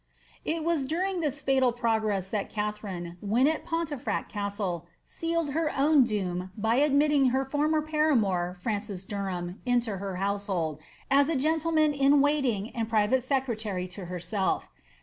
]t was during this fatal progress that Katharine, when at Pontefract Gbstle, sealed her own doom by admitting her former paramour, Francis Derham, into her household as a genUeman in waiting and private secretary to herself.